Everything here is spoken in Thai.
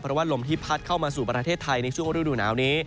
เพราะว่าลมที่พัดเข้ามาสู่ประเทศไทยในช่วงฤดูหนาวนี้